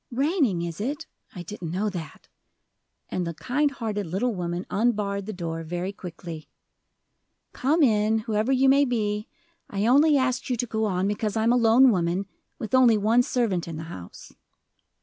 "Raining, is it? I didn't know that," and the kind hearted little woman unbarred the door very quickly. "Come in, whoever you may be; I only asked you to go on because I am a lone woman, with only one servant in the house."